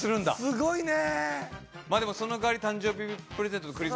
すごいね。